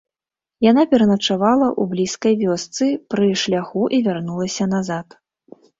Яна пераначавала ў блізкай вёсцы пры шляху і вярнулася назад.